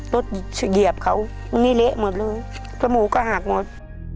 เฉียบเขาตรงนี้เละหมดเลยจมูกก็หักหมด